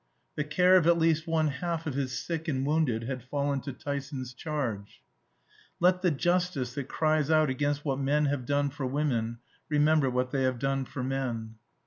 The care of at least one half of his sick and wounded had fallen to Tyson's charge. Let the Justice that cries out against what men have done for women remember what they have done for men.